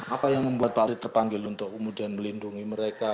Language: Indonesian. apa yang membuat pak arief terpanggil untuk kemudian melindungi mereka